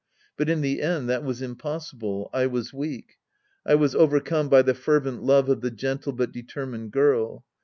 But in the end that was impossible. I was weak. I was overcome by the fervent love of the gentle but determined girl.